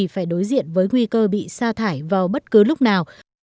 phải đối diện với nguy cơ bị xa thải vào bất cứ lúc nào